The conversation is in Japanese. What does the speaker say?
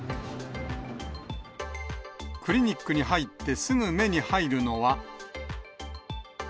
クリニックに入ってすぐ目に入るのは。